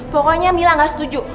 pokoknya mila gak setuju